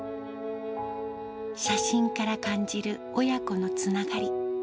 写真から感じる、親子のつながり。